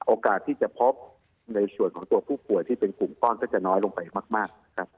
โอกาสที่จะพบในส่วนของตัวผู้ป่วยที่เป็นกลุ่มก้อนก็จะน้อยลงไปมากนะครับ